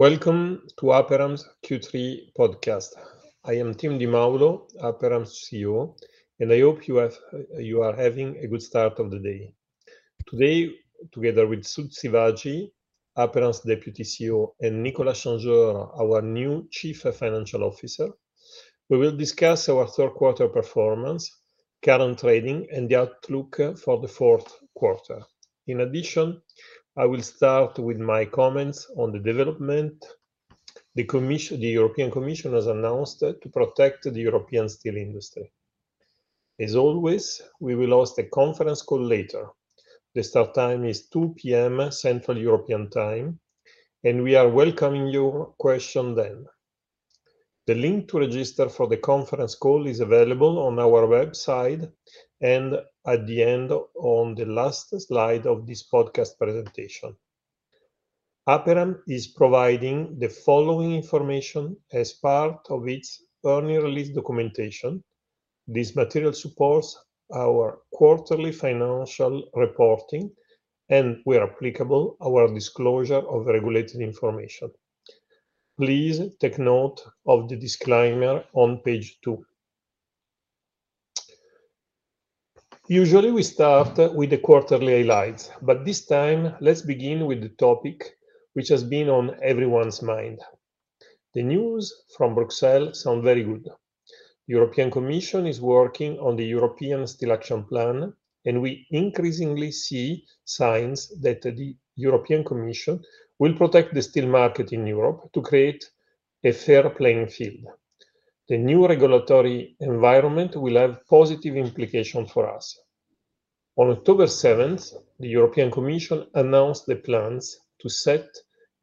Welcome to Aperam's Q3 Podcast. I am Tim Di Maulo, Aperam's CEO, and I hope you are having a good start of the day. Today, together with Sudh Sivaji, Aperam's Deputy CEO, and Nicolas Changeur, our new Chief Financial Officer, we will discuss our third quarter performance, current trading, and the outlook for the fourth quarter. In addition, I will start with my comments on the development the European Commission has announced to protect the European steel industry. As always, we will host a conference call later. The start time is 2:00 P.M. Central European Time, and we are welcoming your questions then. The link to register for the conference call is available on our website and at the end on the last slide of this podcast presentation. Aperam is providing the following information as part of its earlier release documentation. This material supports our quarterly financial reporting and, where applicable, our disclosure of regulated information. Please take note of the disclaimer on page two. Usually, we start with the quarterly highlights, but this time, let's begin with the topic which has been on everyone's mind. The news from Brussels sounds very good. The European Commission is working on the European Steel Action Plan, and we increasingly see signs that the European Commission will protect the steel market in Europe to create a fair playing field. The new regulatory environment will have positive implications for us. On October 7th, the European Commission announced the plans to set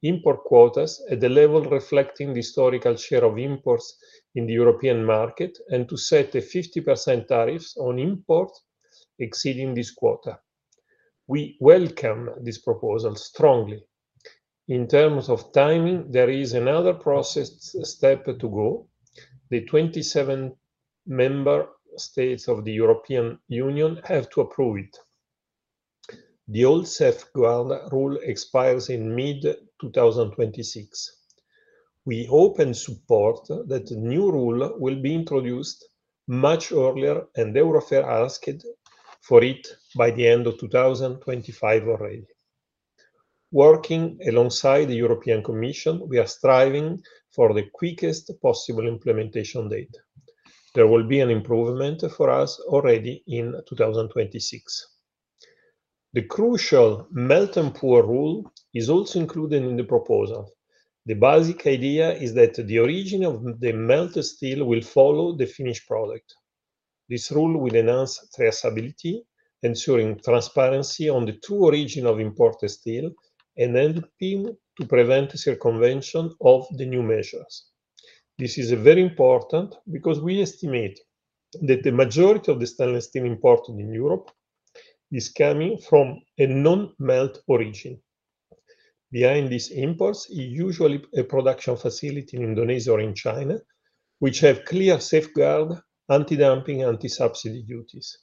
import quotas at the level reflecting the historical share of imports in the European market and to set a 50% tariff on imports exceeding this quota. We welcome this proposal strongly. In terms of timing, there is another process step to go. The 27 member states of the European Union have to approve it. The old safeguard rule expires in mid-2026. We hope and support that the new rule will be introduced much earlier, and EUROFER asked for it by the end of 2025 already. Working alongside the European Commission, we are striving for the quickest possible implementation date. There will be an improvement for us already in 2026. The crucial melt and pour rule is also included in the proposal. The basic idea is that the origin of the melted steel will follow the finished product. This rule will enhance traceability, ensuring transparency on the true origin of imported steel, and helping to prevent the circumvention of the new measures. This is very important because we estimate that the majority of the stainless steel imported in Europe is coming from a non-melt origin. Behind these imports is usually a production facility in Indonesia or in China, which have clear safeguards, anti-dumping, and anti-subsidy duties.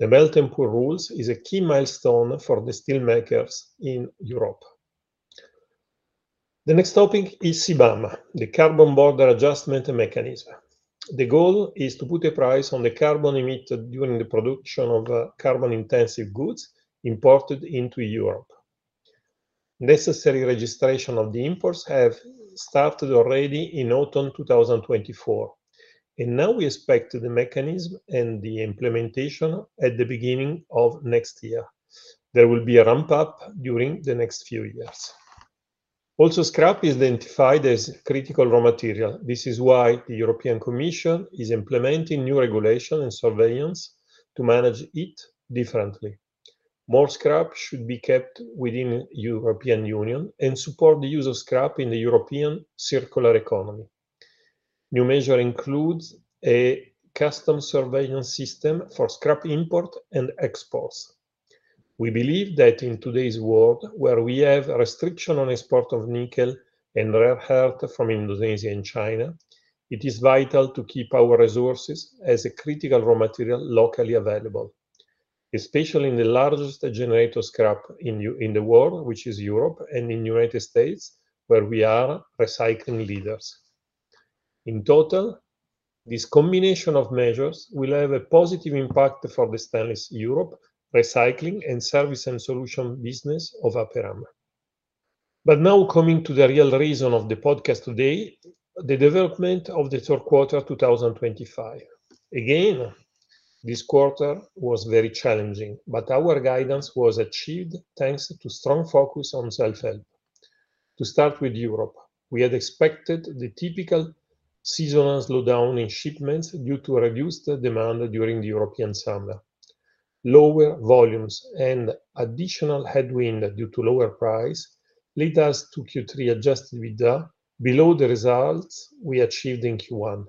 The melt and pour rules are a key milestone for the steel makers in Europe. The next topic is CBAM, the Carbon Border Adjustment Mechanism. The goal is to put a price on the carbon emitted during the production of carbon-intensive goods imported into Europe. Necessary registration of the imports has started already in autumn 2024, and now we expect the mechanism and the implementation at the beginning of next year. There will be a ramp-up during the next few years. Also, scrap is identified as critical raw material. This is why the European Commission is implementing new regulations and surveillance to manage it differently. More scrap should be kept within the European Union and support the use of scrap in the European Circular Economy. New measures include a customs surveillance system for scrap import and exports. We believe that in today's world, where we have restrictions on the export of nickel and rare earths from Indonesia and China, it is vital to keep our resources as critical raw materials locally available, especially in the largest generator of scrap in the world, which is Europe, and in the United States, where we are recycling leaders. In total, this combination of measures will have a positive impact on the Stainless Europe, Recycling and Services and Solutions business of Aperam. But now coming to the real reason of the podcast today, the development of the third quarter 2025. Again, this quarter was very challenging, but our guidance was achieved thanks to a strong focus on self-help. To start with Europe, we had expected the typical seasonal slowdown in shipments due to reduced demand during the European summer. Lower volumes and additional headwinds due to lower prices led us to Q3 Adjusted EBITDA below the results we achieved in Q1.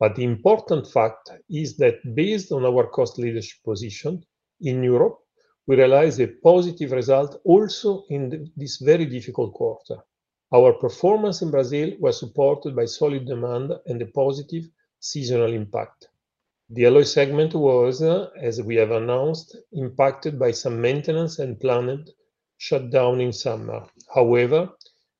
But the important fact is that based on our cost leadership position in Europe, we realized a positive result also in this very difficult quarter. Our performance in Brazil was supported by solid demand and a positive seasonal impact. The Alloys segment was, as we have announced, impacted by some maintenance and plant shutdown in summer. However,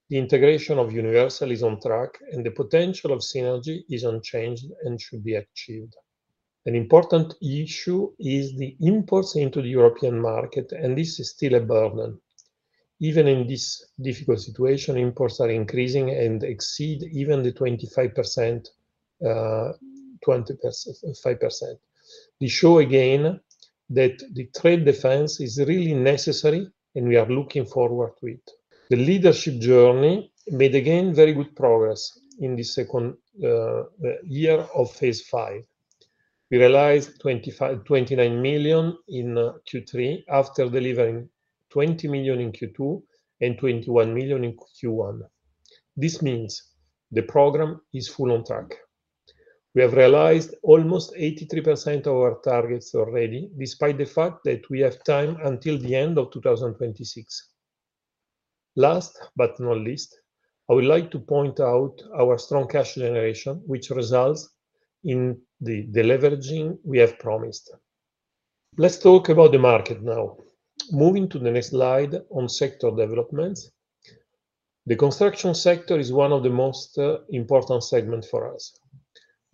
the integration of Universal is on track, and the potential of synergy is unchanged and should be achieved. An important issue is the imports into the European market, and this is still a burden. Even in this difficult situation, imports are increasing and exceed even the 25%. This shows again that the trade defense is really necessary, and we are looking forward to it. The Leadership Journey made again very good progress in the second year of phase V. We realized 29 million in Q3 after delivering 20 million in Q2 and 21 million in Q1. This means the program is full on track. We have realized almost 83% of our targets already, despite the fact that we have time until the end of 2026. Last but not least, I would like to point out our strong cash generation, which results in the leveraging we have promised. Let's talk about the market now. Moving to the next slide on sector developments, the Construction sector is one of the most important segments for us.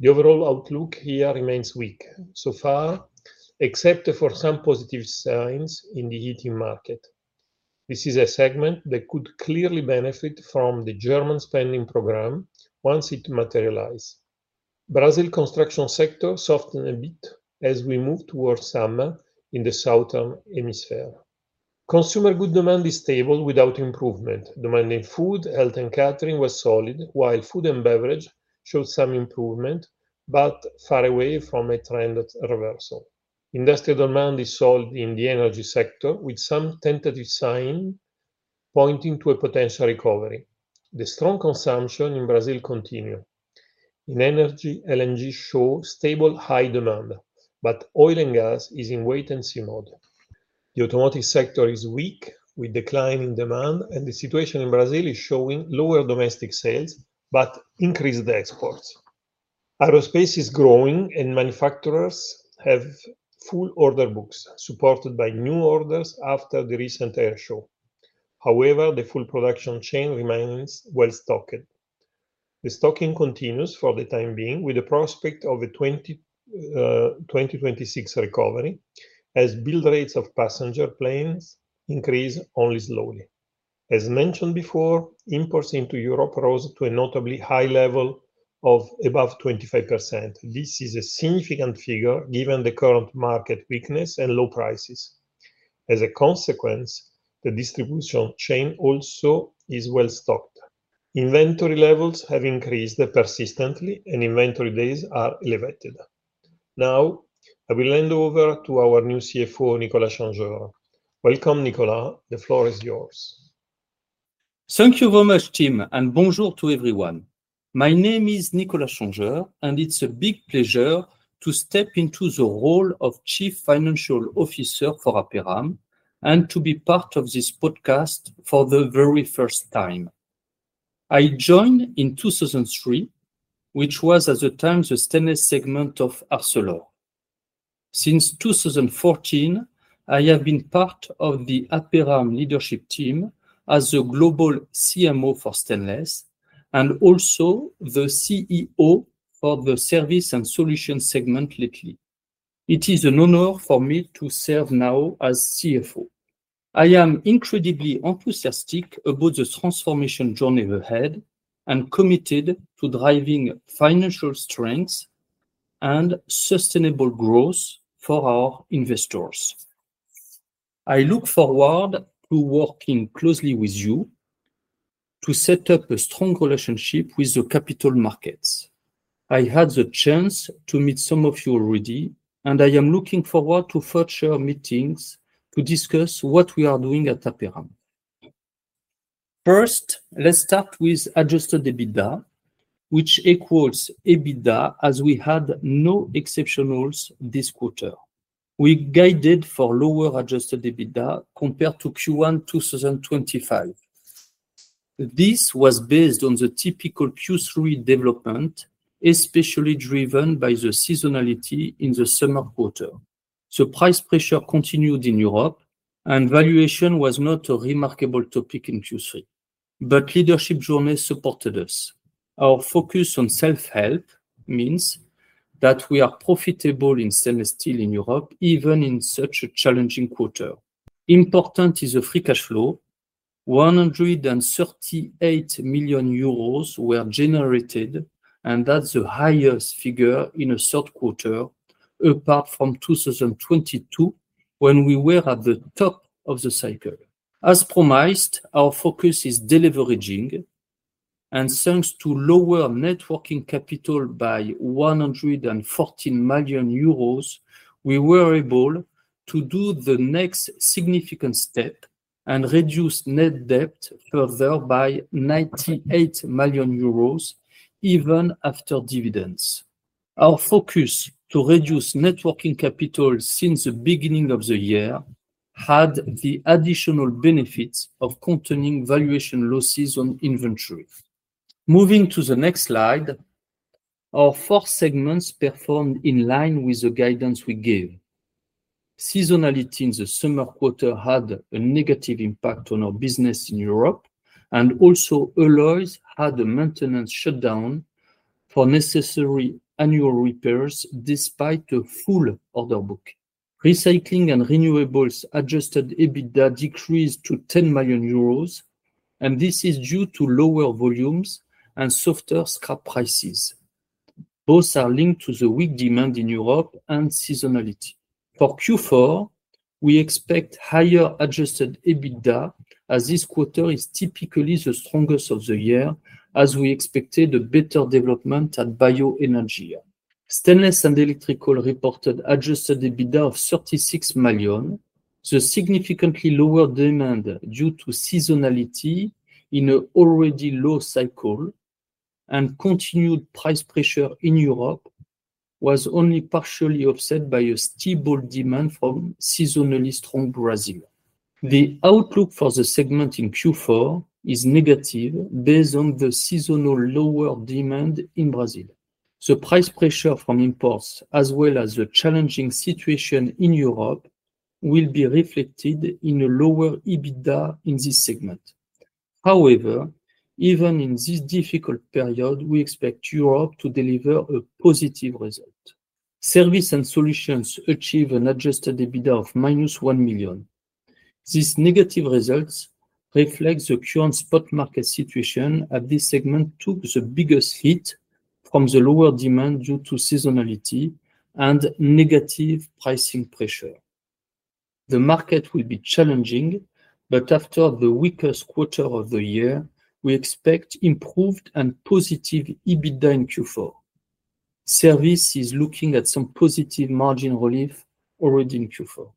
The overall outlook here remains weak so far, except for some positive signs in the heating market. This is a segment that could clearly benefit from the German spending program once it materializes. Brazil's Construction sector softened a bit as we moved towards summer in the southern hemisphere. Consumer Goods demand is stable without improvement. Demand in Food, Health, and Catering was solid, while Food and Beverages showed some improvement, but far away from a trend reversal. Industrial demand is solid in the Energy sector, with some tentative signs pointing to a potential recovery. The strong consumption in Brazil continues. In Energy, LNG shows stable high demand, but Oil and Gas is in wait-and-see mode. The Automotive sector is weak with declining demand, and the situation in Brazil is showing lower domestic sales but increased exports. Aerospace is growing, and manufacturers have full order books supported by new orders after the recent air show. However, the full production chain remains well stocked. The stocking continues for the time being with the prospect of a 2026 recovery as build rates of passenger planes increase only slowly. As mentioned before, imports into Europe rose to a notably high level of above 25%. This is a significant figure given the current market weakness and low prices. As a consequence, the distribution chain also is well stocked. Inventory levels have increased persistently, and inventory days are elevated. Now, I will hand over to our new CFO, Nicolas Changeur. Welcome, Nicolas. The floor is yours. Thank you very much, Tim, and bonjour to everyone. My name is Nicolas Changeur, and it's a big pleasure to step into the role of Chief Financial Officer for Aperam and to be part of this podcast for the very first time. I joined in 2003, which was at the time the Stainless segment of Arcelor. Since 2014, I have been part of the Aperam leadership team as the global CMO for stainless and also the CEO for the Services and Solutions segment lately. It is an honor for me to serve now as CFO. I am incredibly enthusiastic about the transformation journey ahead and committed to driving financial strength and sustainable growth for our investors. I look forward to working closely with you to set up a strong relationship with the capital markets. I had the chance to meet some of you already, and I am looking forward to future meetings to discuss what we are doing at Aperam. First, let's start with Adjusted EBITDA, which equals EBITDA as we had no exceptionals this quarter. We guided for lower Adjusted EBITDA compared to Q1 2025. This was based on the typical Q3 development, especially driven by the seasonality in the summer quarter. The price pressure continued in Europe, and valuation was not a remarkable topic in Q3, but Leadership Journey supported us. Our focus on self-help means that we are profitable in stainless steel in Europe, even in such a challenging quarter. Important is the Free Cash Flow. 138 million euros were generated, and that's the highest figure in a third quarter apart from 2022, when we were at the top of the cycle. As promised, our focus is deleveraging, and thanks to lower net working capital by 114 million euros, we were able to do the next significant step and reduce net debt further by 98 million euros, even after dividends. Our focus to reduce net working capital since the beginning of the year had the additional benefit of containing valuation losses on inventory. Moving to the next slide, our four segments performed in line with the guidance we gave. Seasonality in the summer quarter had a negative impact on our business in Europe, and also Alloys had a maintenance shutdown for necessary annual repairs despite the full order book. Recycling and Renewables Adjusted EBITDA decreased to 10 million euros, and this is due to lower volumes and softer scrap prices. Both are linked to the weak demand in Europe and seasonality. For Q4, we expect higher Adjusted EBITDA as this quarter is typically the strongest of the year, as we expected a better development at Bioenergy. Stainless and Electrical reported Adjusted EBITDA of 36 million, so significantly lower demand due to seasonality in an already low cycle, and continued price pressure in Europe was only partially offset by a stable demand from seasonally strong Brazil. The outlook for the segment in Q4 is negative based on the seasonal lower demand in Brazil. The price pressure from imports, as well as the challenging situation in Europe, will be reflected in a lower EBITDA in this segment. However, even in this difficult period, we expect Europe to deliver a positive result. Services and Solutions achieved an Adjusted EBITDA of -1 million. This negative result reflects the current spot market situation as this segment took the biggest hit from the lower demand due to seasonality and negative pricing pressure. The market will be challenging, but after the weakest quarter of the year, we expect improved and positive EBITDA in Q4. Service is looking at some positive margin relief already in Q4.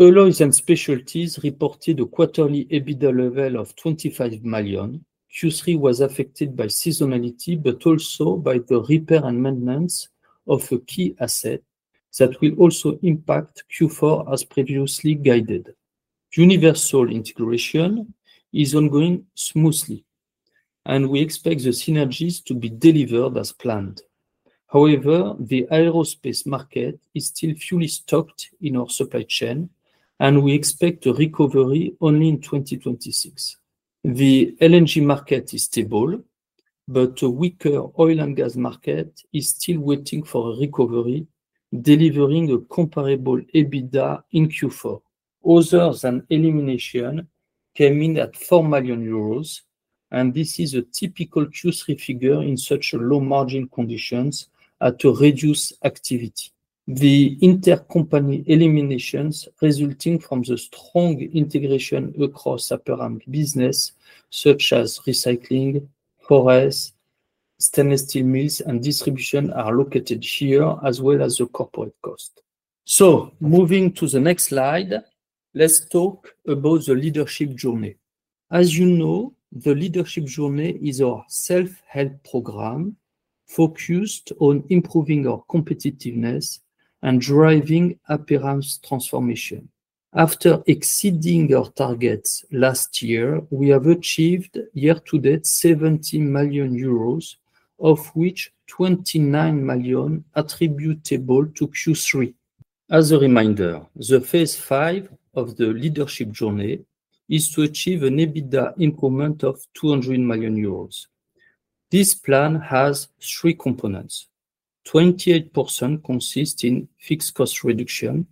Alloys and Specialties reported a quarterly EBITDA level of 25 million. Q3 was affected by seasonality, but also by the repair and maintenance of a key asset that will also impact Q4, as previously guided. Universal integration is ongoing smoothly, and we expect the synergies to be delivered as planned. However, the Aerospace market is still fully stocked in our supply chain, and we expect a recovery only in 2026. The LNG market is stable, but a weaker Oil and Gas market is still waiting for a recovery, delivering a comparable EBITDA in Q4. Others and Eliminations came in at 4 million euros, and this is a typical Q3 figure in such low margin conditions at a reduced activity. The intercompany eliminations resulting from the strong integration across Aperam's businesses, such as recycling, forest, stainless steel mills, and distribution, are located here, as well as the corporate cost. Moving to the next slide, let's talk about the Leadership Journey. As you know, the Leadership Journey is our self-help program focused on improving our competitiveness and driving Aperam's transformation. After exceeding our targets last year, we have achieved year-to-date 70 million euros, of which 29 million attributable to Q3. As a reminder, the phase V of the Leadership Journey is to achieve an EBITDA increment of 200 million euros. This plan has three components. 28% consists in fixed cost reduction,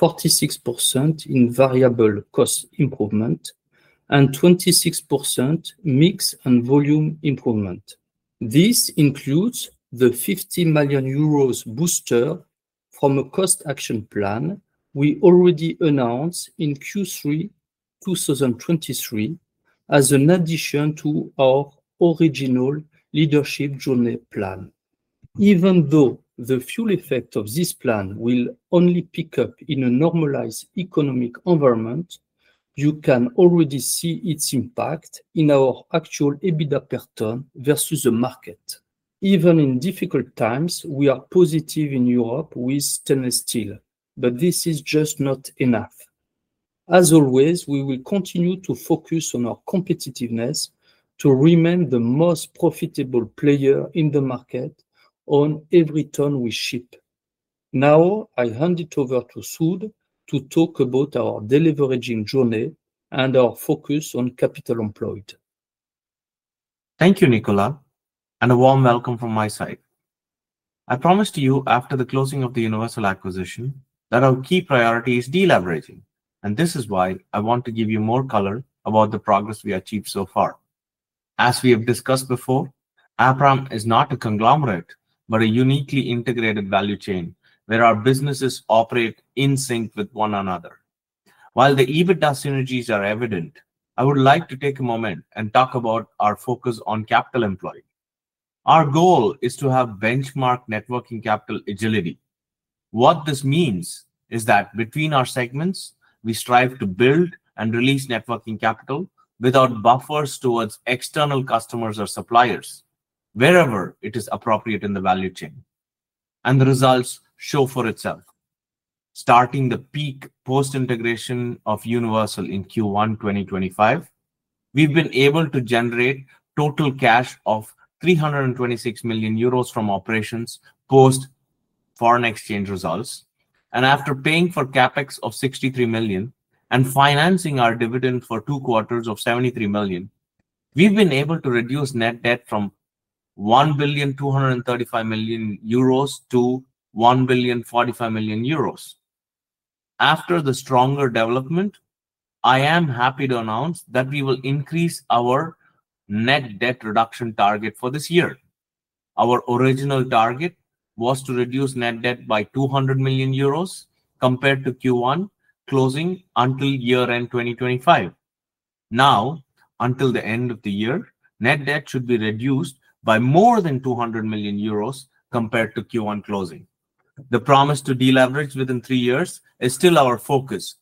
46% in variable cost improvement, and 26% mix and volume improvement. This includes the 50 million euros booster from a cost action plan we already announced in Q3 2023 as an addition to our original Leadership Journey plan. Even though the full effect of this plan will only pick up in a normalized economic environment, you can already see its impact in our actual EBITDA per ton versus the market. Even in difficult times, we are positive in Europe with Stainless Steel, but this is just not enough. As always, we will continue to focus on our competitiveness to remain the most profitable player in the market on every ton we ship. Now, I hand it over to Sudh to talk about our deleveraging journey and our focus on capital employed. Thank you, Nicolas, and a warm welcome from my side. I promised you after the closing of the Universal Stainless acquisition that our key priority is deleveraging, and this is why I want to give you more color about the progress we achieved so far. As we have discussed before, Aperam is not a conglomerate, but a uniquely integrated value chain where our businesses operate in sync with one another. While the EBITDA synergies are evident, I would like to take a moment and talk about our focus on capital employment. Our goal is to have benchmark net working capital agility. What this means is that between our segments, we strive to build and release net working capital without buffers towards external customers or suppliers, wherever it is appropriate in the value chain, and the results speak for themselves. Starting to peak post-integration of Universal in Q1 2025, we've been able to generate total cash of 326 million euros from operations post-foreign exchange results, and after paying for CapEx of 63 million and financing our dividend for two quarters of 73 million, we've been able to reduce net debt from 1,235 million euros to 1,045 million euros. After the stronger development, I am happy to announce that we will increase our net debt reduction target for this year. Our original target was to reduce net debt by 200 million euros compared to Q1 closing until year-end 2025. Now, until the end of the year, net debt should be reduced by more than 200 million euros compared to Q1 closing. The promise to deleverage within three years is still our focus.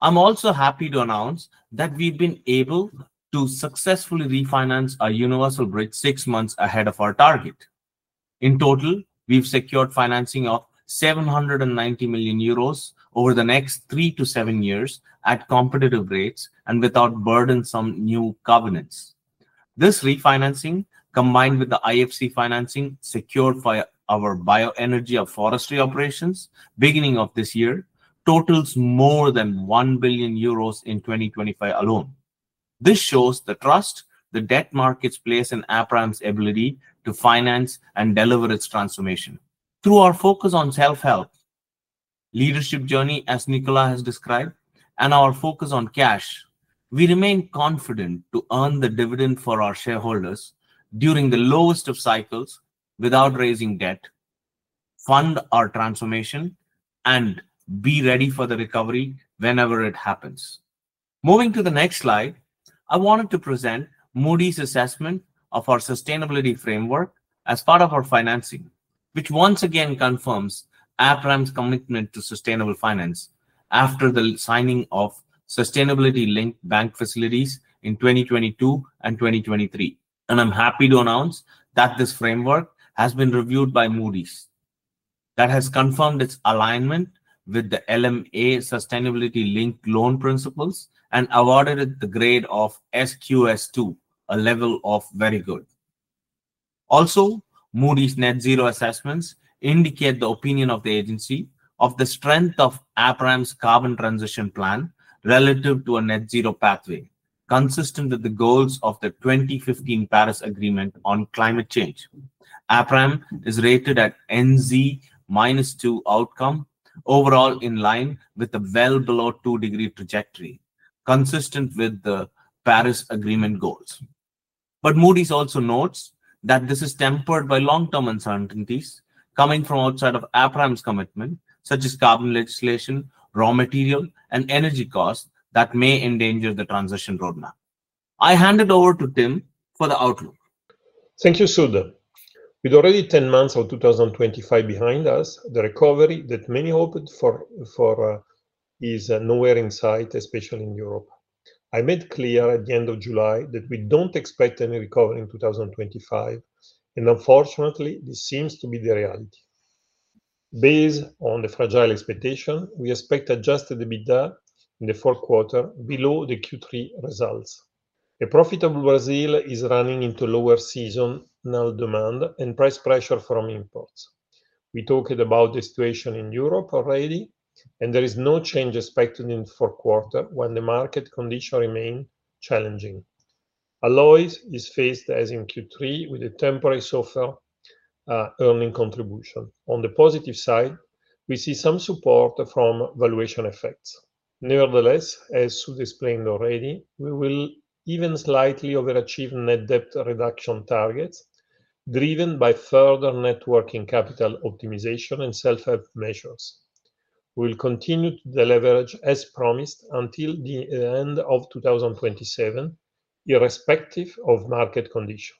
I'm also happy to announce that we've been able to successfully refinance our Universal bridge six months ahead of our target. In total, we've secured financing of 790 million euros over the next 3-7 years at competitive rates and without burdensome new covenants. This refinancing, combined with the IFC financing secured for our Bioenergy or Forestry operations beginning of this year, totals more than 1 billion euros in 2025 alone. This shows the trust the debt markets place in Aperam's ability to finance and deliver its transformation. Through our focus on self-help, Leadership Journey, as Nicolas has described, and our focus on cash, we remain confident to earn the dividend for our shareholders during the lowest of cycles without raising debt, fund our transformation, and be ready for the recovery whenever it happens. Moving to the next slide, I wanted to present Moody's assessment of our sustainability framework as part of our financing, which once again confirms Aperam's commitment to sustainable finance after the signing of sustainability-linked bank facilities in 2022 and 2023. And I'm happy to announce that this framework has been reviewed by Moody's. That has confirmed its alignment with the LMA Sustainability-Linked Loan Principles and awarded it the grade of SQS2, a level of very good. Also, Moody's net zero assessments indicate the opinion of the agency of the strength of Aperam's carbon transition plan relative to a net zero pathway, consistent with the goals of the 2015 Paris Agreement on Climate Change. Aperam is rated at NZ-2 outcome, overall in line with the well below two-degree trajectory, consistent with the Paris Agreement goals. But Moody's also notes that this is tempered by long-term uncertainties coming from outside of Aperam's commitment, such as carbon legislation, raw material, and energy costs that may endanger the transition roadmap. I hand it over to Tim for the outlook. Thank you, Sudh. With already 10 months of 2025 behind us, the recovery that many hoped for is nowhere in sight, especially in Europe. I made clear at the end of July that we don't expect any recovery in 2025, and unfortunately, this seems to be the reality. Based on the fragile expectation, we expect Adjusted EBITDA in the fourth quarter below the Q3 results. A profitable Brazil is running into lower seasonal demand and price pressure from imports. We talked about the situation in Europe already, and there is no change expected in the fourth quarter when the market conditions remain challenging. Alloys is faced, as in Q3, with a temporary softer earnings contribution. On the positive side, we see some support from valuation effects. Nevertheless, as Sudh explained already, we will even slightly overachieve net debt reduction targets driven by further working capital optimization and self-help measures. We will continue to deleverage as promised until the end of 2027, irrespective of market conditions.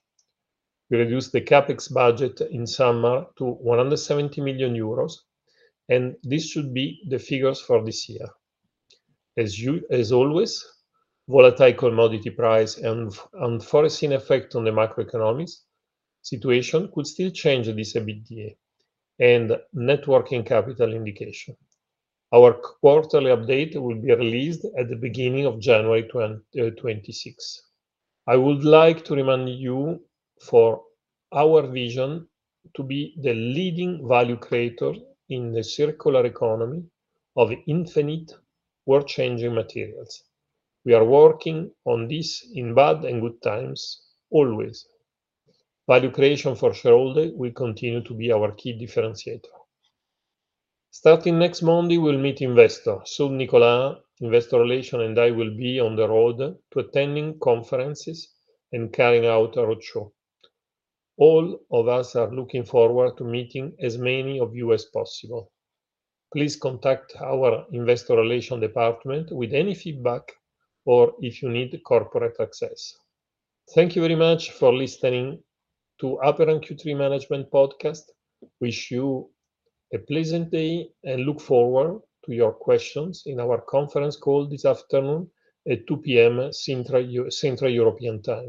We reduced the CapEx budget in summer to 170 million euros, and this should be the figure for this year. As always, volatile commodity prices and unforeseen effects on the macroeconomic situation could still change this EBITDA and net working capital indication. Our quarterly update will be released at the beginning of January 2026. I would like to remind you of our vision to be the leading value creator in the circular economy of infinite world-changing materials. We are working on this in bad and good times, always. Value creation for shareholders will continue to be our key differentiator. Starting next Monday, we'll meet investors. Sudh, Nicolas, investor relations, and I will be on the road to attending conferences and carrying out a roadshow. All of us are looking forward to meeting as many of you as possible. Please contact our investor relations department with any feedback or if you need corporate access. Thank you very much for listening to Aperam Q3 Management Podcast. Wish you a pleasant day and look forward to your questions in our conference call this afternoon at 2:00 P.M. Central European Time.